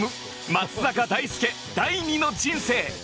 松坂大輔第二の人生